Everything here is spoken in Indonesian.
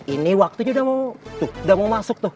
ini waktunya udah mau tuh udah mau masuk tuh